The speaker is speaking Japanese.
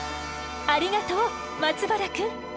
ありがとう松原くん！